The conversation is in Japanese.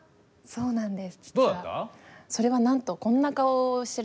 そうなんです。